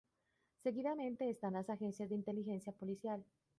Seguidamente, están las agencias de inteligencia policial.